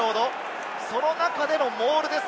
その中でのモール。